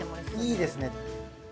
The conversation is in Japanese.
いいですね！